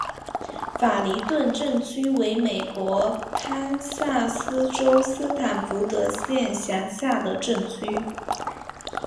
法明顿镇区为美国堪萨斯州斯塔福德县辖下的镇区。